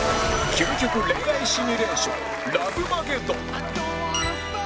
究極恋愛シミュレーションラブマゲドン